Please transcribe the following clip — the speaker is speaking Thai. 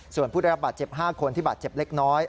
ส่วนผู้ได้รับบาดเจ็บ๕คนที่บาดเจ็บเล็กน้อย